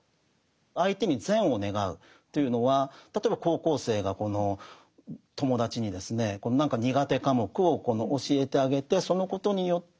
相手に善を願うというのは例えば高校生がこの友達にですね何か苦手科目を教えてあげてそのことによって友達がこの試験をクリアしたり